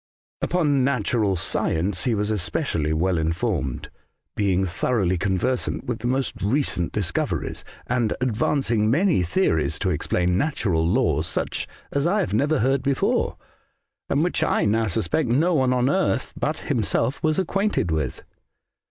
Upon natural science he was especially well informed, being thoroughly conversant with the most recent discoveries, and advancing many theories to explain natural laws such as I never heard before, and which I now suspect no one on earth but himself was acquainted with.